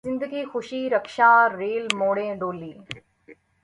زندگی خوشی رکشا ریل موٹریں ڈولی